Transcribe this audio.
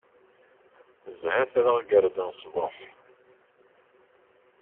Zhat ad aɣ-gerzen ṣṣbuḥ.